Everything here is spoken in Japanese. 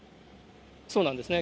そうなんですね。